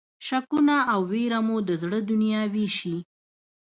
شکونه او وېره مو د زړه دنیا وېشي.